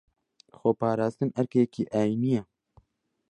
خۆپاراستن ئەرکێکی ئاینییە